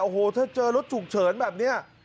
โอ้โหถ้าเจอรถฉุกเฉินแบบนี้